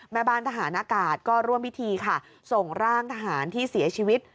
แม่บ้านทหารอากาศก็ร่วมพิธีค่ะส่งร่างทหารที่เสียชีวิต